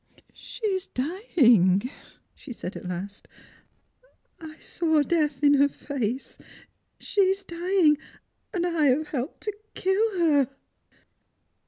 " She is dying !" she said at last; " I saw death in her face. She is dying; and I have helped to kill her